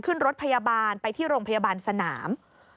ขึ้นรถพยาบาลไปที่โรงพยาบาลสนาม